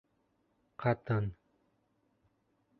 Ҡатын: